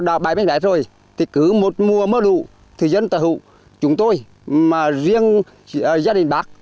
nó bài bánh bát rồi thì cứ một mùa mưa lũ thì dân tà hụ chúng tôi mà riêng gia đình bác